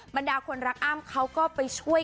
บรรดาคนรักอ้ำเขาก็ไปช่วย